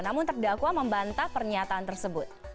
namun terdakwa membantah pernyataan tersebut